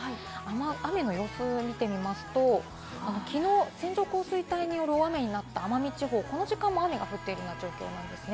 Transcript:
雨の予想を見ていきますと、きのう線状降水帯による大雨になった奄美地方、この時間も雨が降っている状況なんですね。